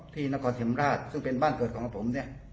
ที่นครเถมราชซึ่งเป็นบ้านเกิดของผม